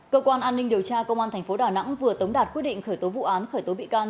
cơ quan an ninh điều tra công an tp đà nẵng vừa tống đạt quyết định khởi tố vụ án khởi tố bị can